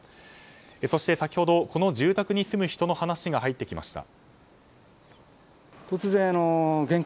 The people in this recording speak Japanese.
そして、先ほどこの住宅に住む人の話が入ってきました。